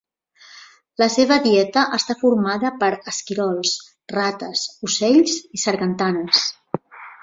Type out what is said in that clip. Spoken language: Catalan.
La seva dieta està formada per esquirols, rates, ocells i sargantanes.